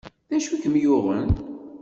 D acu i kem-yuɣen?